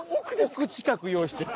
億近く用意してる。